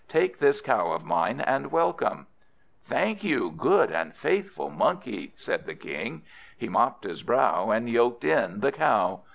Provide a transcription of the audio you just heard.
Take this cow of mine, and welcome." "Thank you, good and faithful Monkey," said the King. He mopped his brow, and yoked in the cow.